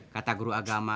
kata guru agama